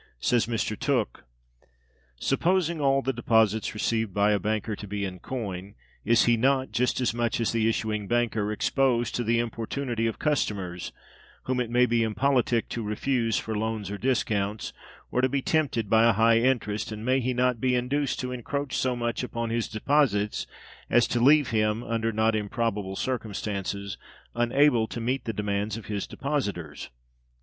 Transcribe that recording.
Says Mr. Tooke: "Supposing all the deposits received by a banker to be in coin, is he not, just as much as the issuing banker, exposed to the importunity of customers, whom it may be impolitic to refuse, for loans or discounts, or to be tempted by a high interest; and may he not be induced to encroach so much upon his deposits as to leave him, under not improbable circumstances, unable to meet the demands of his depositors?"